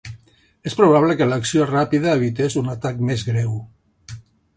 És probable que l'acció ràpida evités un atac més greu.